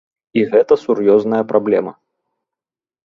І гэта сур'ёзная праблема.